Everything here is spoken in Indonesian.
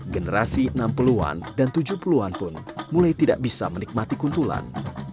generasi enam puluh an dan tujuh puluh an pun mulai tidak bisa menikmati kuntulan